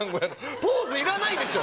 ポーズいらないでしょう。